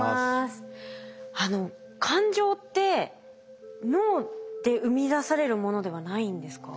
あの感情って脳で生み出されるものではないんですか？